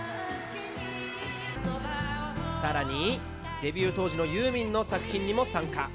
更にデビュー当時のユーミンの作品にも参加。